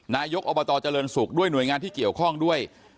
นายกอบตเจริญศุกร์ด้วยหน่วยงานที่เกี่ยวข้องด้วย